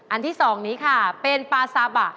อันที่๒นี้ค่ะเป็นปาซาบะ